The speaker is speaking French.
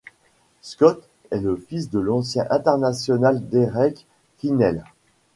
Scott est le fils de l'ancien international Derek Quinnell.